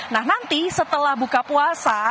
nah nanti setelah buka puasa